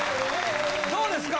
どうですか？